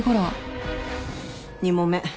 ２問目。